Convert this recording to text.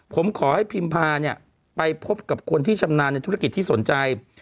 ผมขอให้พิมพาเนี่ยไปพบกับคนที่ชำนาญในธุรกิจที่สนใจ